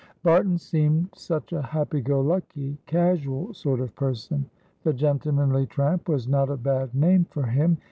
Barton seemed such a happy go lucky, casual sort of person. The gentlemanly tramp was not a bad name for him.